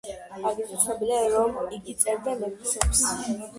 აგრეთვე ცნობილია, რომ იგი წერდა ლექსებს.